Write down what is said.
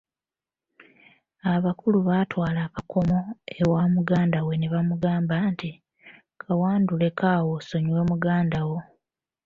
Abakulu baatwala akakomo ewa muganda we ne bamugamba nti, kawanduleko awo osonyiwe muganda wo.